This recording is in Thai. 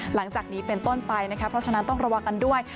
หลังจากนี้เป็นต้นไปนะคะเพราะฉะนั้นต้องระวังกันด้วย